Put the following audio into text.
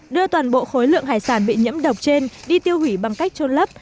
đưa toàn bộ khối lượng hải sản bị nhiễm độc trên đi tiêu hủy bằng cách trôn lấp